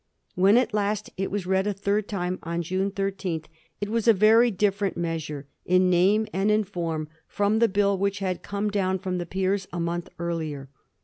When at last it was read a third time, on June Idth, it was a very different measure, in name and in form, from the Bill which had come down from the Peers a month earlier.